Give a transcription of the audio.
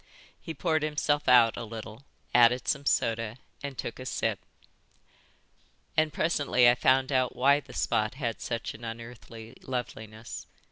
He poured himself out a little, added some soda, and took a sip. "And presently I found out why the spot had such an unearthly loveliness.